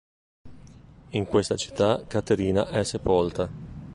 In questa città Caterina è sepolta.